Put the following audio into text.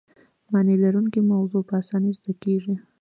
معنی لرونکې موضوع په اسانۍ زده کیږي.